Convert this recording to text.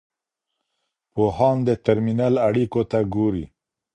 پوهان د ترمینل اړیکو ته ګوري.